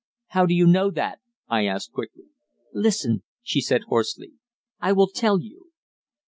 "How do you know that?" I asked quickly. "Listen," she said hoarsely. "I will tell you."